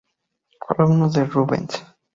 Fue alumno de Rubens.